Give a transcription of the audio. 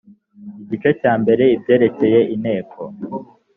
igice cya mbere ibyerekeye inteko